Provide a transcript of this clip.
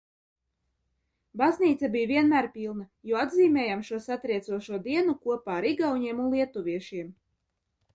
Baznīca bija vienmēr pilna, jo atzīmējām šo satriecošo dienu kopā ar igauņiem un lietuviešiem.